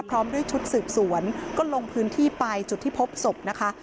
พร้อมด้วยชุดสืบสวนก็ลงพื้นที่ไปจุดที่พบศพนะคะ